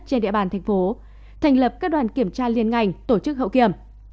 trên địa bàn thành phố thành lập các đoàn kiểm tra liên ngành tổ chức hậu kiểm